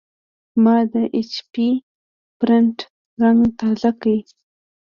ما د ایچ پي پرنټر رنګ تازه کړ.